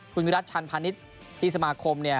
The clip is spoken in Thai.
คุณวิรัติชันพาณิชย์ที่สมาคมเนี่ย